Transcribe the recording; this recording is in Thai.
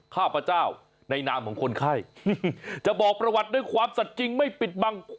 ข้าพเจ้าในนามของคนไข้จะบอกประวัติด้วยความสัตว์จริงไม่ปิดบัง